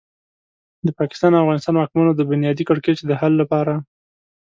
د پاکستان او افغانستان واکمنو د بنیادي کړکېچ د حل لپاره.